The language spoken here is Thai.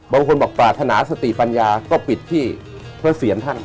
บางคนบอกปรารถนาสติปัญญาก็ปิดที่พระเสียรท่าน